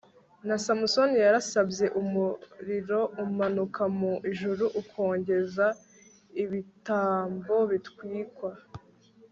na salomoni yarasabye, umuriro umanuka mu ijuru ukongeza ibitambo bitwikwa